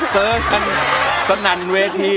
เจอกันสนั่นเวที